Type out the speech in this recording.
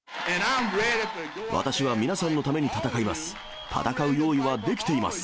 私は皆さんのために戦います。